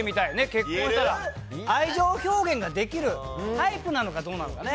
結婚したら、愛情表現ができるタイプなのかどうかね。